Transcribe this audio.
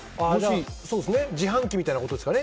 自販機みたいなことですかね。